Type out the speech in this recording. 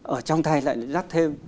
ở trong thầy lại dắt thêm